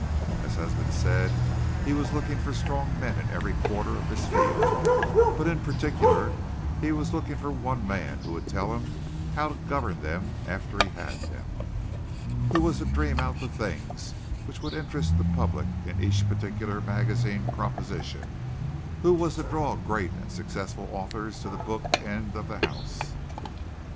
As has been said, he was looking for strong men in every quarter of this field, but in particular he was looking for one man who would tell him how to govern them after he had them. Who was to dream out the things which would interest the public in each particular magazine proposition? Who was to draw great and successful authors to the book end of the house?